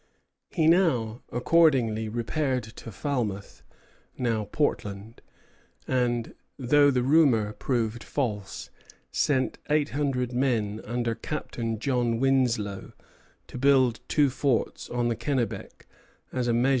He accordingly repaired to Falmouth (now Portland); and, though the rumor proved false, sent eight hundred men under Captain John Winslow to build two forts on the Kennebec as a measure of precaution.